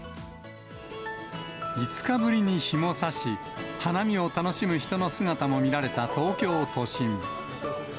５日ぶりに日もさし、花見を楽しむ人の姿も見られた東京都心。